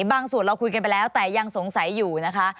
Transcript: บางส่วนเราคุยกันไปแล้วแต่ยังสงสัยอยู่นะคะ